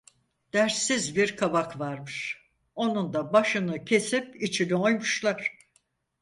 Dertsiz bir kabak varmış, onun da başını kesip içini oymuşlar.